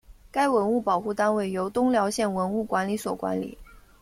该文物保护单位由东辽县文物管理所管理。